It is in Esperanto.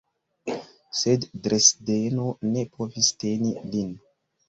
Sed Dresdeno ne povis teni lin.